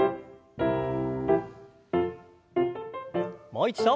もう一度。